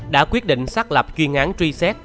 đã quyết định xác lập chuyên án truy xét